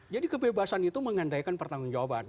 jadi kebebasan itu mengandaikan pertanggung jawaban